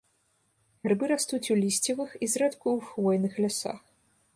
Грыбы растуць у лісцевых і зрэдку ў хвойных лясах.